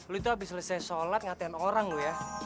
lu itu abis selesai sholat ngatain orang lu ya